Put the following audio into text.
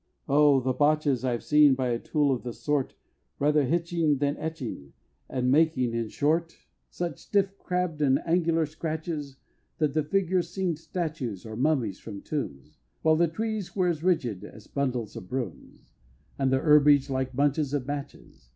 Oh! the botches I've seen by a tool of the sort, Rather hitching than etching, and making, in short, Such stiff, crabbed, and angular scratches, That the figures seem'd statues or mummies from tombs, While the trees were as rigid as bundles of brooms, And the herbage like bunches of matches!